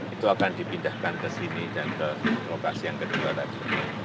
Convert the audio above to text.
itu akan dipindahkan ke sini dan ke lokasi yang kedua tadi